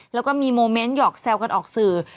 แล้วก็มีโมเมนต์หยอกแซวกันออกสื่อ